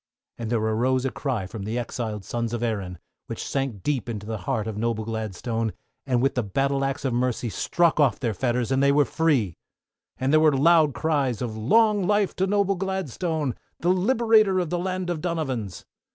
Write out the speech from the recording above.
And there arose a cry from the exiled sons of Erin, which sank deep into the heart of noble Gladstone, and with the battle axe of Mercy struck off their fetters and they were free! And there was loud cries of "Long life to noble Gladslone, the Liberator of the Land of Donovans!"